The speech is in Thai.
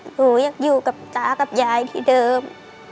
หนูยังอยู่กับตากับยายที่เดิม